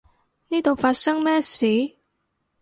呢度發生咩事？